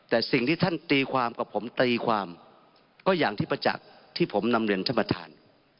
แต่สิ่งที่ท่านตีความกับผมตีความก็อย่างที่ประจักษ์ที่ผมนำเรียนท่านประธาน